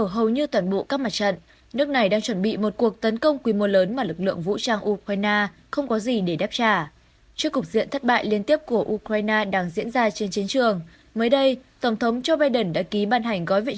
hãy đăng ký kênh để ủng hộ kênh của chúng mình nhé